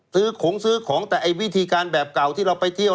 ซื้อของซื้อของแต่ไอ้วิธีการแบบเก่าที่เราไปเที่ยว